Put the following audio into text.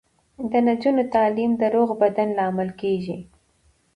د نجونو تعلیم د روغ بدن لامل کیږي.